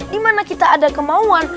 dimana kita ada kemauan